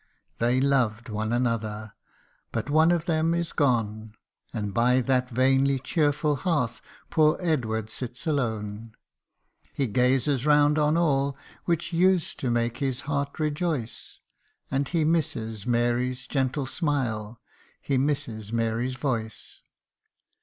177 They loved one another; but one of them is gone, And by that vainly cheerful hearth poor Edward sits alone. He gazes round on all which used to make his heart rejoice, And he misses Mary's gentle smile, he misses Mary's voice.